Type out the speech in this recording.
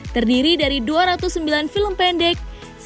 terdiri dari dua ratus sembilan film pendek